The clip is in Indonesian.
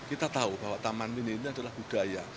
kita tahu bahwa taman mini ini adalah budaya